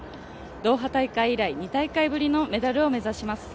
ドーハ大会以来、２大会ぶりのメダルを目指します。